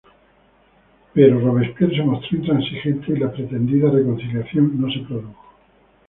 Pero Robespierre se mostró intransigente y la pretendida reconciliación no se produjo.